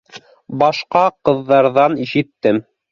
— Башҡа ҡыҙҙарҙан ишеттем.